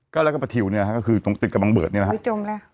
ก็แล้วก็ประถิวนี้นะฮะก็คือตรงตึกกับบังเบิดนี้นะฮะอุ๊ยจงแล้ว